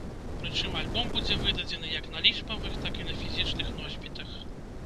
Прычым альбом будзе выдадзены як на лічбавых, так і на фізічных носьбітах.